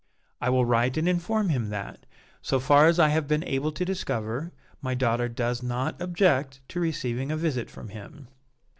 "I will write and inform him that, so far as I have been able to discover, my daughter does not object to receiving a visit from him."